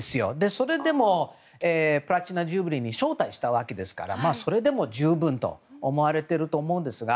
それでもプラチナ・ジュビリーに招待したわけですからそれでも十分と思われてると思うんですが。